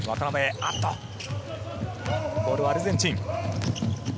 あっとボールはアルゼンチン。